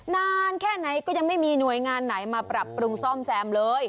นานแค่ไหนก็ยังไม่มีหน่วยงานไหนมาปรับปรุงซ่อมแซมเลย